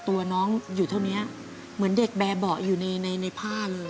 ตัวน้องอยู่เท่านี้เหมือนเด็กแบบเบาะอยู่ในในผ้าเลย